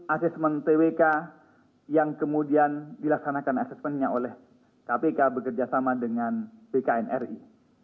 asesmen twk yang kemudian dilaksanakan asesmennya oleh kpk bekerjasama dengan bkn ri